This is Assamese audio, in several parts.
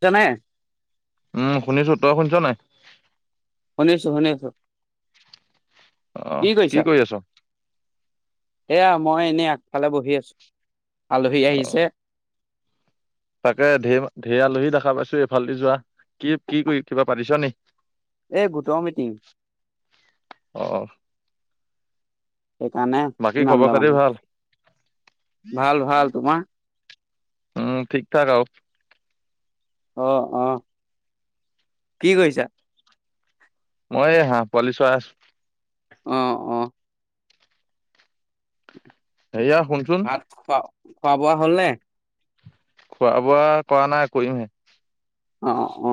তনেই উম শুনিছো তই শুনিছ নাই? শুনিছো শুনিছো। আহ কি কৰি আছ? এয়া মই এনেই আগফালে বহি আছো। আলহী অ আহিছে। তাকে হে ঢেৰ আলহী দেখা পাইছো এইফালদি যোৱা কি কি কৰি কিবা পাতিছ নি? এই গোটৰ মিটিং। অ সেইকাৰণে বাকী ইমান খবৰ দম খাতি মানে ভাল ভাল ভাল তোমাৰ? উম ঠিক ঠাক আও আহ আহ, কি কৰিছা? মই এ হাঁহ পোৱালি চয়াইছো। অ, অ। হেয়া শুনচোন ভাত খোৱা খোৱা বোৱা হ'লনে? খোৱা বোৱা কৰা নাই কৰিমহে অ অ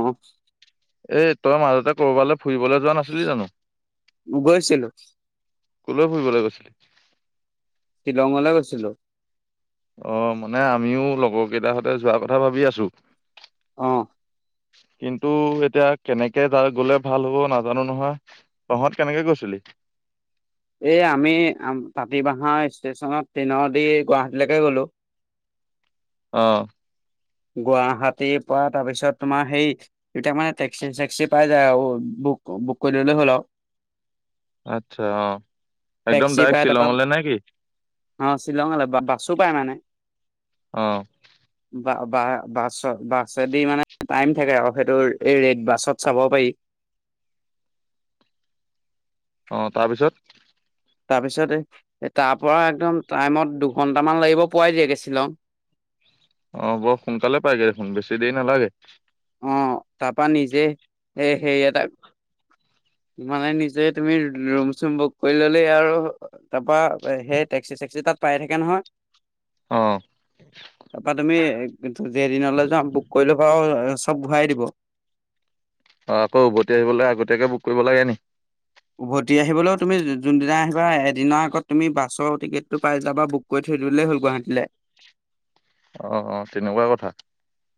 এ তই মাজতে কৰবালৈ ফুৰিবলৈ যোৱা নাছিলি জানো? গৈছিলো কলৈ ফুৰিবলৈ গৈছিলি? শ্বিলঙলৈ গৈছিলো অ মানে আমিও লগৰ কেইটাহঁতে যোৱাৰ কথা ভাবি আছো অ কিন্তু এতিয়া কেনেকে যা গলে ভাল হ'ব নাজানো নহয়, তহঁত কেনেকে গৈছিলি? এই আমি তাঁতি বাহা ষ্টেচনত ট্ৰেইনৰ দি গুৱাহাটীলৈকে গলো অহ গুৱাহাটীৰ পৰা তাৰপিছত তোমাৰ সেই এতিয়া মানে টেক্সি চেক্সি পাই যায় আৰু বুক বুক কৰি ললে হ'ল আৰু আচ্ছা অহ একদম টেক্সি দাৰেক পাই তাৰপৰা শিলঙলে নে কি? অ শ্বিলঙলৈ বাছো পায় মানে অহ বা বা বাছ বাছেদি মানে টাইম থাকে আৰু সেইটো এই ৰেদ বাছত চাব পাৰি অ তাৰপিছত তাৰপিছত তাৰ পৰা একদম টাইমত দুঘন্টামান লাগিব পোৱাই দিয়গে শ্বিলং অ বৰ সোনকালে পাইগে দেখোন বেছি দেৰি নালাগে অ তাৰপা নিজে এই সে এটা ইমানে নিজে তুমি ৰুম চুম বুক কৰি ললেই আৰু তাৰপা সেই টেক্সি চেক্সি তাত পাই থাকে নহয়। অ তাপা তুমি যেইদিনলৈ যাম বুক কৰি লবা আৰু চব ঘূৰাই দিব অ আকৌ উভতি আহিবলৈ আগতীয়াকে বুক কৰিব লাগে নি উভতি আহিবলৈও তুমি যোনদিনা আহিবা এদিনৰ আগত তুমি বাছৰ টিকেটটো পাই যাবা বুক কৰি থৈ দিলেই হ'ল গুৱাহাটীলৈ অ অ তেনেকুৱা কথা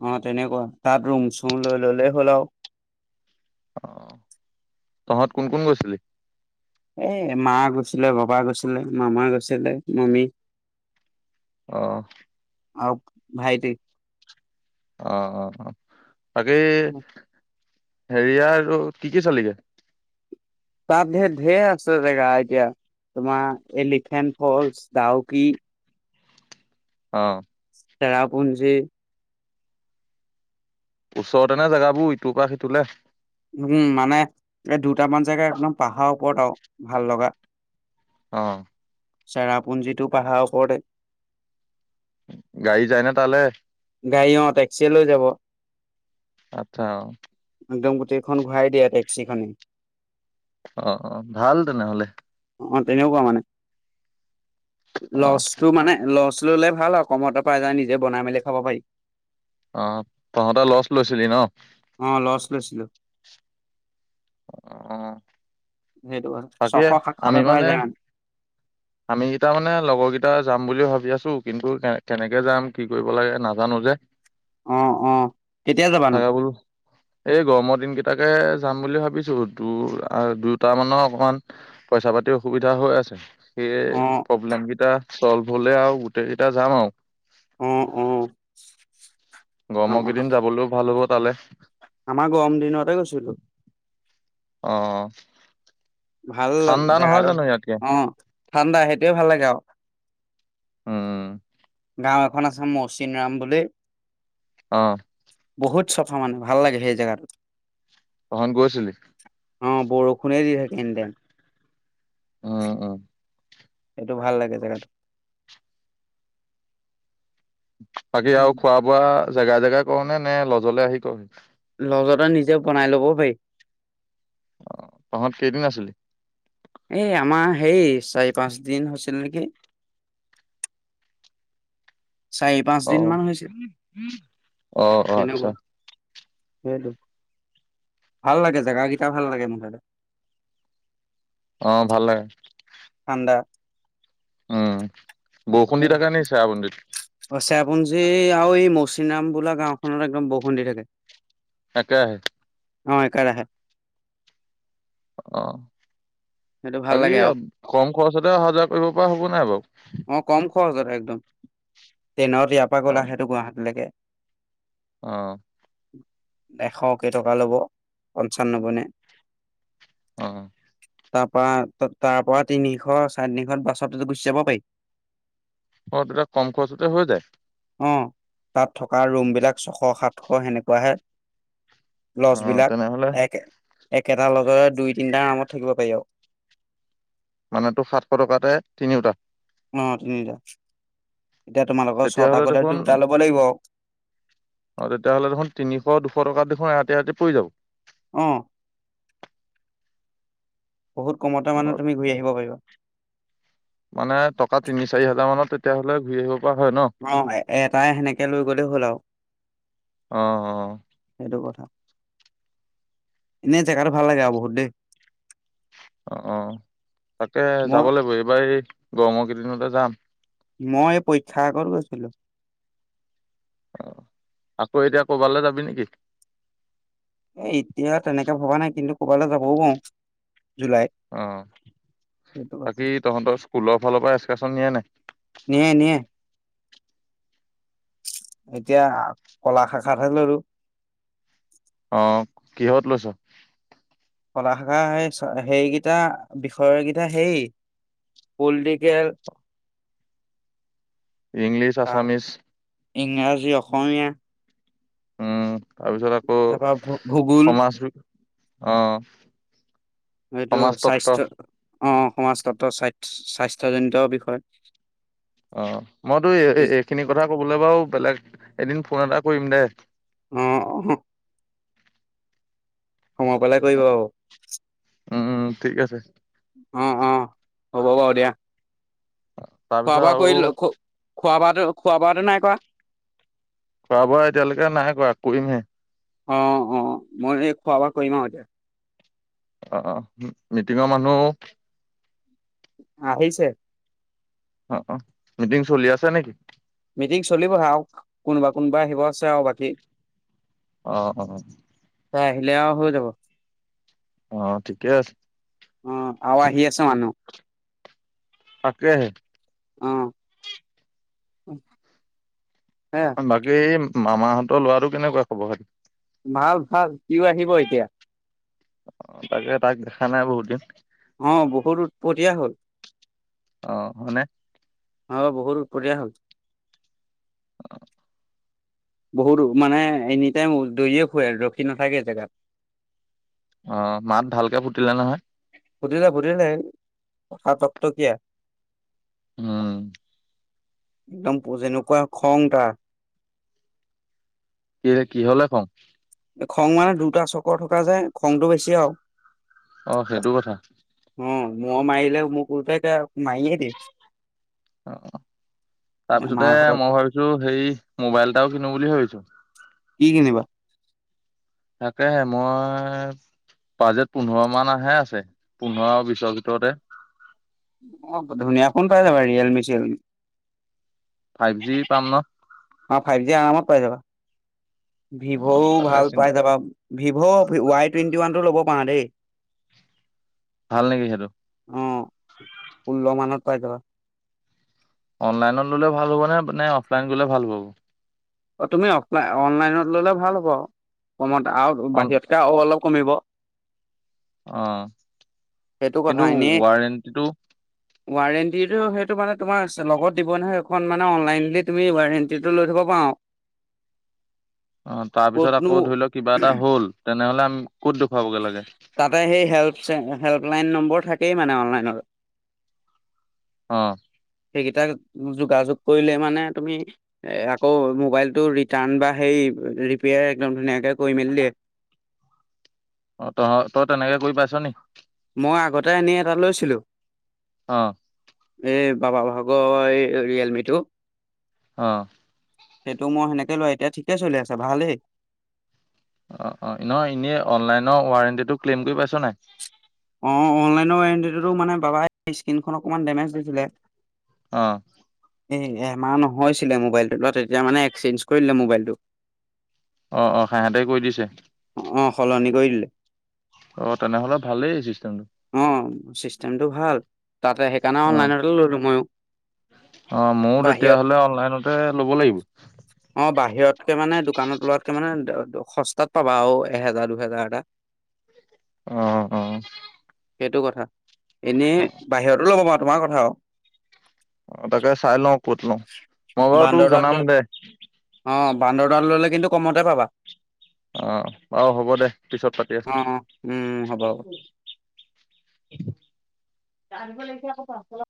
অ তেনেকুৱা তাত ৰুম চুম লৈ ললেই হ'ল আৰু তহঁত কোন কোন গৈছিলি এ মা গৈছিলে বাবা গৈছিলে মামা গৈছিলে মামি অহ আৰু ভাইট অ অ অ তাকে হেৰিয়া আৰু কি কি চালিগে তাত ধেৰ ধেৰ আছে জেগা এতিয়া তোমাৰ এলিফেন্ট ফলচ ডাউকী অহ চেৰাপুঞ্জী ওচৰতে নে জেগাবোৰ ইটোৰ পৰা সিটোে উম মানে এই দুটামান জেগা একদম পাহাৰ ওপৰত আৰু ভাল লগা। অ চেৰাপুঞ্জীটো পাহাৰ ওপৰতে গাড়ী যায়নে তালৈ গাড়ী অ টেক্সিয় লৈ যাব। আত্ছা। একদম গোটেইখন ঘূৰাই দিয়া টক্সি খনে। অ অ ভাল তেনেহলে। অ তেনেকুৱা মানে। অ লছটো মানে লছ। ললে ভাল আৰু কমতৰ পৰা যজাই নিজে বনাই মেলি খাব পাৰি। অ তহঁতে লচ লৈছিলি ন। অ লছ লৈছিলো? আহ সেইটো কথা। ছশ বাকে সাতশ আমি টকাই মানে যাম আমি কেইটা মানে লগৰকেইটাৰ। যাম বুলি ভাবি আছো কিন্তু কে কেনেকে যাম কি কৰিব লাগে নাজানো যে। অ অ কেতিয়া যাবানো থাগা বোল এই গৰমৰ দিন কেইটাকে। যাম বুলি ভাবিছো ত আৰু দুট মানক অকমান পইচা পাতি অসুবিধা হৈ আছে সেয়ে অ প্ৰব্লেম কেইটা। চল ভলে আৰু গোটেই কেইতিটা যাম আৰু। উম উম গৰমৰ কেইদিন যাবলৈও ভাল হ'ব। তালে। আমাৰ গম দিনতে গৈছিলো? অ ভাল ঠাণ্ডা জেগা নহয় টো জানো ইয়াতকে অ। ঠাণ্ডা সেইটোৱে ভাল লাগে আও। উম গাঁও এখন আছে মৌচিন ৰাম বুলি। অ বহুত চফা মানে ভাল লাগে সেই জোগাটো। তহত গৈছিলি অ বৰষুণে দি থাকে। Any time. উম উম এইটো ভাল লাগে জেগাটো। বাকি আৰু খোৱা বোৱা। জেগা জেগা কৰ নে নে লজলে আহি কৰহি? লজতে নিজে বনাই ল'ব পাৰি। আহ তাহত কেইদিন আছিলি। সেই চাৰি পাঁচ দিন হ হৈছে। ছিল নেকি। চাৰি পাঁচ দিন আহ মান হৈছিল আহ অ আচ্ছা। তেনেকুৱা সেইটো ভাল লাগে জোগাকেইটা ভাল লাগে মুঠতে অ ভাল লাগে ঠাণ্ডা ওম বৰষুণ দি সেই থাকে নি চেৰাপুঞ্জি ত অ চেৰাপুঞ্জী আৰু এই মৌচিনাৰাম বোলা গাওখনত একদম বৰষুন দি থাকে একেৰাহে? অ একেৰাহে আহে অহ ভাল বাকী লাগে আৰু কম খৰচতে অহা যোৱা কৰিব পৰা হ'ব নাই বাৰু? অ কম খৰচ আৰু একদম। ট্ৰেইনত ইয়াৰ পৰা অ গ'ল সেইটো গুৱাহাটীলৈকে অ এশ কেইটকা ল'ব পঞ্চানব্বৈ নে অ তাৰ পৰা তাৰ পৰা তিনিশ চাৰে তিনিশ বাছতো গুচি যাব পাৰি অ তাতে কম খৰচতে হৈ যায়। অ তাত থকা ৰুম বিলাক ছশ সাত শ সেনেকুৱাহে অ লছবলাক তেনেহলে এক একেটা লগৰে দুই তিনিটাৰ নামত থাকিব পাৰি মানে তোৰ সাতশ টকাতে তিনিওটা অ তিনিটা এতিয়া তোমালোকৰ ছটা তেতিয়াহ'লে কৰিলে দেখোন দুটা ল'ব লাগিব অ তেহতে পৰি যা অ বহুত কমতে অ মানে তুমি ঘূৰি আহিব পাৰিবা মানে টকা তিনি চাৰি হাজাৰ মানত তেতিয়া হ'লে ঘূৰি আহিব পৰা হয় ন অ এটাই সেনেকে লৈ গলেই হ'ল আৰু অ সেইটো কথা এনে জেগাটো ভাল লাগে আৰু বহুত দেই অ অ তাকে মই যাব লাগিব এইবাৰ গৰমৰ দুদিনতে যাম মই পৰীক্ষা আগত গৈছিলোঁ অ আকৌ এতিয়া কৰবালৈ যাবি নেকি। এ এতিয়া তেনেকে ভবা নাই কিন্তু কৰবালৈ যাবও পাৰো। জুলাইত অ সেইটো কথা বাকী তহঁতৰ স্কুলৰ ফালৰ পৰা এক্সকাচন নিয়ে নাই নিয়ে নিয়ে এতিয়া কলা শাখাতহে লৰো অ কিহত লৈছ কলা শাখা হেইকেইটা বিষয়কেইটা হেই পলিটিকেল। English Assamese. ইংৰাজী অসমীয়া। উম। তাৰপিছত আকৌ তাৰপা ভূগোল সমাজ বিজ্ঞা অ। এইটো সমাজতত্ব স্বাস্থ্য অ সমাজ তত্ব স্বাস্থ স্বাস্থ্যজনিত বিষয়। অ মইতো এই এইখিনি কথা কবলৈ বাৰু এইবিলাক এদিন ফোন এটা কৰিম দে। অহ [unintelligible] সময় পালেই কৰিবা আৰু। উম উম ঠিক আছে। অ অ হ'ব বাৰু দিয়া। খোৱা তাৰপিছত বোৱা আৰু কৰি ঔষ খোৱা বোৱাটো খোৱা বোৱাটো নাই কৰা? খোৱা বোৱা এতিয়ালৈকে নাই কৰা, কৰিমহে। অ অ মই এই খোৱা বোৱা কৰিম আৰু এতিয়া। আহ মিটিঙৰ মানুহ আহিছে। অ অ মিটিং চলি আছে নে কি? মিটিং চলিবহে আৰু কোনোবা কোনোবা আহিব আছে আৰু বাকী। অহ অহ। তাই আহিলে আৰু হৈ যাব। অ ঠিকেই আছে। অ আৰু আহি আছে মানুহ। তাকেহে। অহ। মাকে মামাহঁতৰ লৰাটো কেনেকুৱা খব খাতি ভাল ভাল, সিও আহিব এতিয়া। অ তাকে তাক দেখা নাই বহুত দিন। অ বহুত উৎপতীয়া হল। অ হয়নে? অ বহুত উৎপতীয়া হল। বহুত মানে এনি টাইম দৌৰিয়ে ফুৰে ৰখি নাথাকে জেগাত। অ মাত ভালকে ফুটিলে নহয়? ফুটিলে ফুটিলে, এই কথা টকটকীয়া। উম। একদম যেনেকুৱা খং তাৰ। কি কি হ'লে খং? খং মানে দুটা চকৰ থকা যে খংটো বেছি আৰু। অ সেইটো কথা। ম মাৰিলে মোক উলটাকে আৰু অ তাৰপিছতে মাৰ ঘৰত মই ভাবিছোঁ সেই মোবাইল এটাও কিনো বুলি ভাবিছোঁ। কি কিনিবা? তাকেহে মই বাজেট পোন্ধৰ মান আহে আছে পোন্ধৰ বিশৰ ভিতৰতে। অ ধুনীয়া ফোন পাই যাবা ৰিয়েলমি চিয়েলমি। ফাইভ জি পাম ন। অ ফাইভ জি আৰামত পাই যাবা। ভিভ'ও ভাল তাকে পাই যাবা ভিভ' ৱাই টুৱেণ্টি ওৱান টো ল'ব পাৰে ভাল নেকি সেইটো। অ ষোল্ল মানত পাই যাবা। অনলাইনত ল'লে ভাল হ'ব নে নে অফলাইন গ'লে ভাল হ'ব অ তুমি অফলাই অনলাইনত ল'লে ভাল হ'ব আও কমত আৰু অ বাহিৰতকে আৰু অলপ কমিব অ সেইটো কথা কিন্তু এনেই ৱাৰেণ্টিটো ৱাৰেণ্টিটো সেইটো মানে তোমাৰ লগত দিব নহয় এইখন মানে অনলাইনিল তুমি ৱাৰেণ্টিটো লৈ থ'ব পাৰা আৰু। অ তাৰ পিছত আকৌ ক'তনো ধৰি লোৱা কিবা এটা হ'ল তেনেহলে আমি ক'ত দেখুৱাবগে লাগে তাতে সেই হেল্প হেল্পলাইন নম্বৰ। [unintelligible] থাকেই মানে অনলাইনৰ অ সেইকেইটা যোগাযোগ কৰিলে মানে তুমি আকৌ ম'বাইল টো ৰিটাৰ্ণ বা সেই ৰিপিয়াৰ ধুনীয়াকে কৰি মেলি দিয়ে। অ তহঁ তই তেনেকে কৰি পাইছ নি? মই আগতে আনি এটা লৈছিলোঁ। অ এই বাবা ভাগৰ এই ৰিয়েলমি টো অ সেইটো মই সেনেকে লয় এতিয়া ঠিকে চলি আছে ভালেই। অ অ নহ এনেই অনলাইনৰ ৱাৰেণ্টিটো ক্লেইম কৰি পাইছ নাই। অ অনলাইনৰ ৱাৰেণ্টিটোত মানে বাবাই ইচকিনখন অকণমান ডেমেজ দিছিলে অ এ এমাহ নহয়ছিলে মোবাইলটো লোৱা তেতিয়া মানে এক্সেঞ্জ কৰিলে মোবাইলটো। অ অ সিহঁতে কৰি দিছে। অ সলনি কৰি দিলে। অ তেনেহ'লে ভালেই চিষ্টেমটো। অ চিষ্টেমটো ভাল। তাতে সেইকাৰণে অ অনলাইনতে ললো মইয়ো অ ময়ো বাহিৰত তেতিয়াহ'লে অনলাইনতে ল'ব লাগিব। সিহঁতকে মানে দোকানত লোৱাতকে মানে সস্তাত পাবা আৰু এহেজাৰ দুহেজাৰ এটা। অ অ। সেইটো কথা। এনেই বাহিৰতো ল'ব মাৰ তোমাৰ কথা আৰু। অ' তাকে চাই লওঁ ক'ত লওঁ। মই বাৰু তোক জনাম দে। বান্দৰৰ তাত ল'লে কিন্তু কমতে পাবা। অ'। বাও হ'ব দে, পিছত পাতি আছো। অ অ উম হ'ব হ'ব তাৰ হাগিব লাগিছে আকৌ পাচবেলা